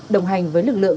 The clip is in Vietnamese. đồng hành với lực lượng